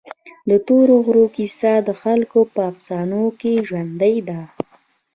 د تورې غرونو کیسه د خلکو په افسانو کې ژوندۍ ده.